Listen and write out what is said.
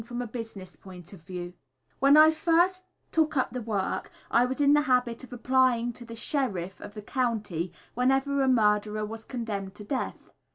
_|||++ When I first took up the work I was in the habit of applying to the Sheriff of the County whenever a murderer was condemned to death.